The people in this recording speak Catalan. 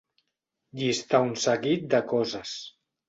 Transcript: Llistar un seguit de coses.